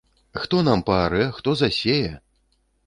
Хто нам паарэ, хто засее?!